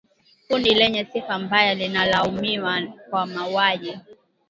kundi lenye sifa mbaya linalolaumiwa kwa mauaji